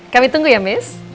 kami tunggu ya miss